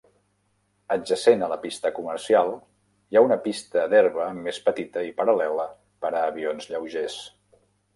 Adjacent a la pista comercial hi ha una pista d'herba més petita i paral·lela per a avions lleugers.